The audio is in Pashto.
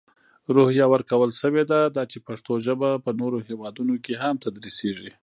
روحیه ورکول شوې ده، دا چې پښتو ژپه په نورو هیوادونو کې هم تدرېسېږي.